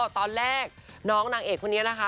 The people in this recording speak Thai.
ตอนแรกน้องนางเอกคนนี้นะคะ